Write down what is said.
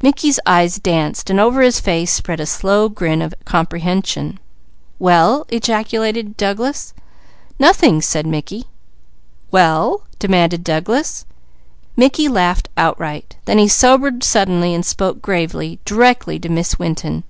Mickey's eyes danced and over his face spread a slow grin of comprehension. "Well?" ejaculated Douglas. "Nothing!" said Mickey. "Well?" demanded Douglas. Mickey laughed outright. Then he sobered suddenly and spoke gravely, directly to Miss Winton.